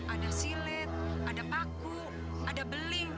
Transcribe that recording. ada silet ada paku ada beling